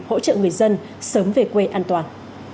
hỗ trợ người dân sớm về quê an toàn